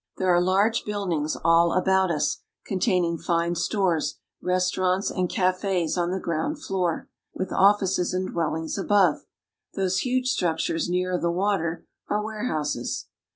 There are large build ings all about us containing fine stores, restaurants, and caf^s on the ground floor, with ofliices and dwellings above, I Those huge structures nearer the water are warehouses.